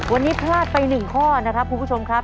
วันนี้พลาดไป๑ข้อนะครับคุณผู้ชมครับ